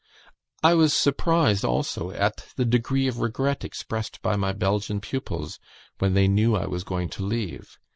I was surprised also at the degree of regret expressed by my Belgian pupils, when they knew I was going to leave.